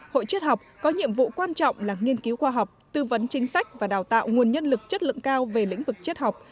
hội chết học có nhiệm vụ quan trọng là nghiên cứu khoa học tư vấn chính sách và đào tạo nguồn nhân lực chất lượng cao về lĩnh vực triết học